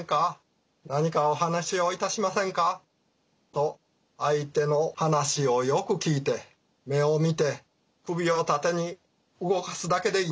「何かお話をいたしませんか？」と相手の話をよく聞いて目を見て首を縦に動かすだけでいいんです。